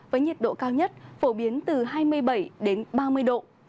với nhiệt độ cao nhất phổ biến từ hai mươi bảy đến ba mươi độ